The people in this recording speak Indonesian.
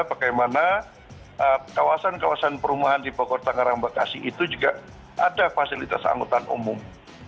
bagaimana kawasan kawasan perumahan di bogor tangerang bekasi itu juga ada fasilitas angkutan umum